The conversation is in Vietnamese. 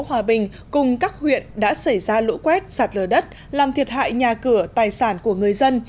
hòa bình cùng các huyện đã xảy ra lũ quét sạt lở đất làm thiệt hại nhà cửa tài sản của người dân